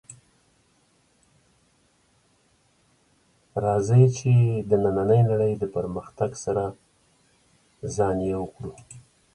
راځئ چې د نننۍ نړۍ د پرمختګ سره ځان یو کړو